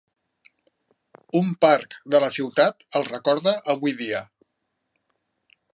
Un parc de la ciutat el recorda avui dia.